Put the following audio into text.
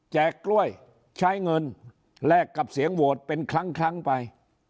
กล้วยใช้เงินแลกกับเสียงโหวตเป็นครั้งไป